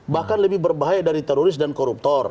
bahkan lebih berbahaya dari teroris dan koruptor